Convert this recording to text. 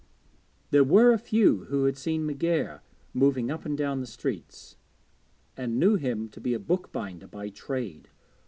There were a few who had seen McGair moving up and down the streets, and knew him to have been a book binder by trade.